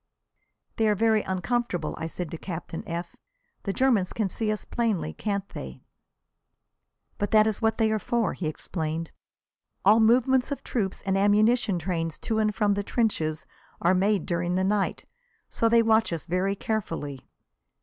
"They are very uncomfortable," I said to Captain F . "The Germans can see us plainly, can't they?" "But that is what they are for," he explained. "All movements of troops and ammunition trains to and from the trenches are made during the night, so they watch us very carefully."